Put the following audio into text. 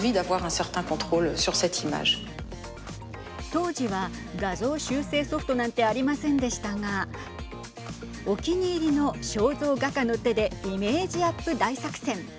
当時は、画像修正ソフトなんてありませんでしたがお気に入りの肖像画家の手でイメージアップ大作戦。